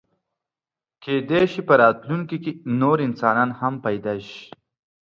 کېدی شي په راتلونکي کې نور انسانان هم پیدا شي.